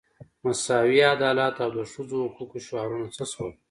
مساوي عدالت او د ښځو حقوقو شعارونه څه شول.